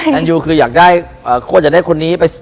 แมนยูคืออยากได้โคตรจะได้คนนี้